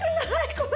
これ。